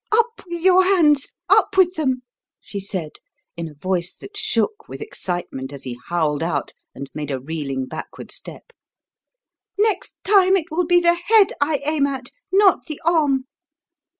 "Up with your hands up with them!" she said in a voice that shook with excitement as he howled out and made a reeling backward step. "Next time it will be the head I aim at, not the arm!"